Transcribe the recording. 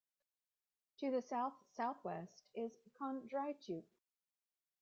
To the south-southwest is Kondratyuk.